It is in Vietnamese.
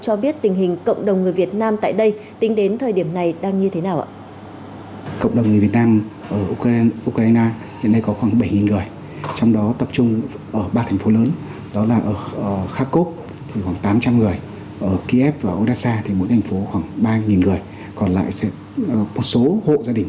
hội đoàn người việt nam tại hungary theo số điện thoại